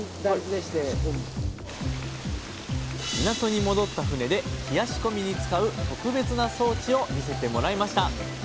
港に戻った船で冷やし込みに使う特別な装置を見せてもらいました。